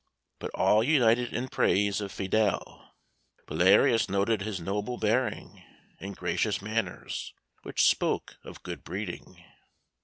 But all united in praise of Fidele. Belarius noted his noble bearing and gracious manners, which spoke of good breeding.